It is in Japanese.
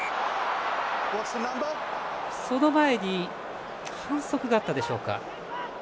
その前に反則があったでしょうか。